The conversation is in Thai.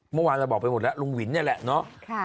เมื่อวานเราบอกไปหมดแล้วลุงวินนี่แหละเนาะ